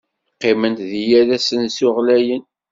Qqiment deg yal asensu ɣlayen.